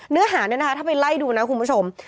เนื้อหาเนี่ยนะคะถ้าไปไล่ดูนะคุณผู้ชม